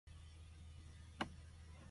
Fritz Reiner was the conductor that night.